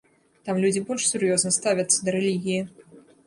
Там людзі больш сур'ёзна ставяцца да рэлігіі.